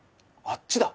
あっちだ。